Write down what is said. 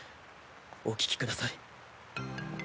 お聴きください。